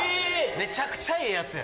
めちゃくちゃええやつや。